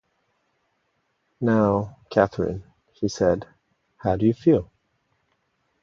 “Now — Catherine,” he said, “how do you feel?”